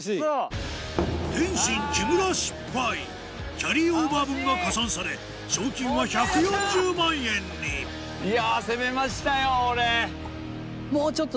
キャリーオーバー分が加算され賞金は１４０万円にいや。